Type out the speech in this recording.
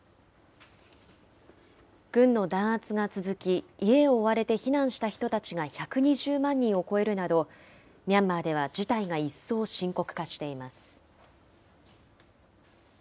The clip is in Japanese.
軍の弾圧が続き、家を追われて避難した人たちが１２０万人を超えるなど、ミャンマーでは事態が一層深刻化しています。